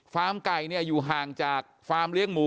ฟาร์มไก่เนี่ยอยู่ห่างจากฟาร์มเลี้ยงหมู